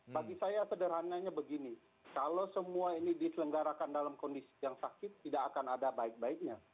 bagi saya sederhananya begini kalau semua ini diselenggarakan dalam kondisi yang sakit tidak akan ada baik baiknya